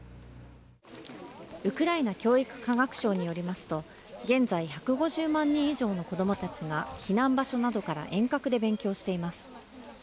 ウクライナ教育科学省によりますと、現在１５０万人以上の子どもたちが避難場所などから遠隔で勉強しています。